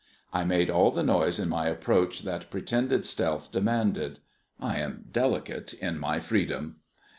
I made all the noise in my approach that pretended stealth demanded; I am delicate in my freedom.